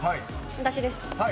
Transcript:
私です。